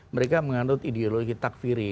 mereka mengandung ideologi takfiri